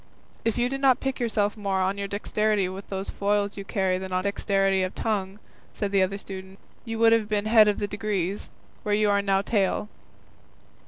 "If you did not pique yourself more on your dexterity with those foils you carry than on dexterity of tongue," said the other student, "you would have been head of the degrees, where you are now tail."